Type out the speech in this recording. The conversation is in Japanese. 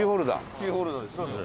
キーホルダーですね。